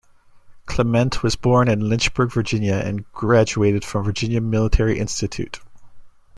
Clement was born in Lynchburg, Virginia, and graduated from Virginia Military Institute.